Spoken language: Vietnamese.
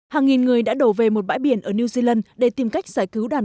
hàng nghìn người đã đổ về một bãi biển ở new zealand để tìm cách giải cứu đàn